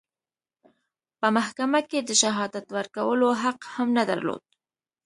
په محکمه کې د شهادت ورکولو حق هم نه درلود.